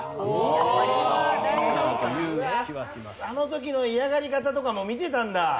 あの時の嫌がり方とかも見てたんだ。